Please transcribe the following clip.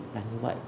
là như vậy